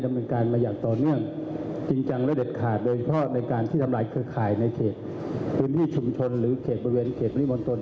ในเขตอุณหภิชชุมชนหรือเขตบริเวณเขตบริมนตร